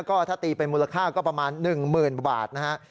ก็ถ้าตีเป็นมูลค่าก็ประมาณ๑๐๐๐บาทนะฮะ